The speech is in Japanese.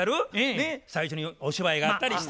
ねっ最初にお芝居があったりして。